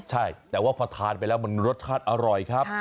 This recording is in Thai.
ใช่แต่ว่าพอทานไปแล้วมันรสชาติอร่อยครับ